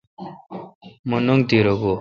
مہ ننگ تیرا گو°